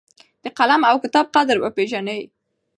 د قلم او کتاب قدر وپېژنئ.